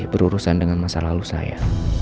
berurusan dengan masa lalu saya